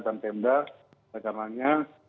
dan pemda karena